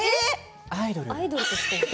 アイドルとして。